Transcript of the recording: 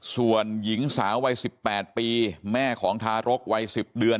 ส่วนหญิงสาววัยสิบแปดปีแม่ของทารกว่าวัยสิบเดือน